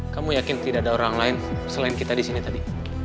kamu yakin tidak ada orang lain selain kita di sini tadi